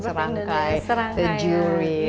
serangkai the jury